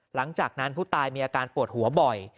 หลังจากนั้นผู้ตายมีอาการปวดหัวบ่อย